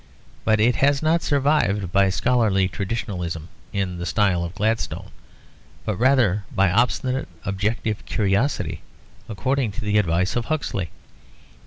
But it has not survived by scholarly traditionalism in the style of Gladstone, but rather by obstinate objective curiosity according to the advice of Huxley.